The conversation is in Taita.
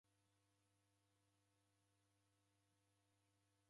Koko na mindi righokie.